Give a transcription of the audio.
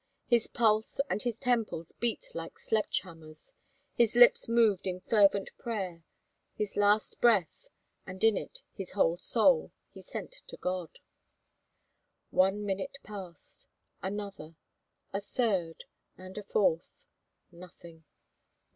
His pulse and his temples beat like sledge hammers; his lips moved in fervent prayer. His last breath, and in it his whole soul, he sent to God. One minute passed, another, a third, and a fourth. Nothing!